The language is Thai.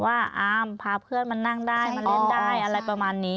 อามพาเพื่อนมานั่งได้มาเล่นได้อะไรประมาณนี้